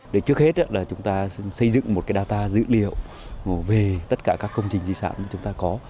để trước hết chúng ta xây dựng một data dữ liệu về tất cả các công trình di sản chúng ta có